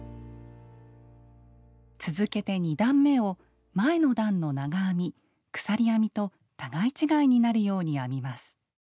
続けて２段めを前の段の長編み鎖編みと互い違いになるように編みます。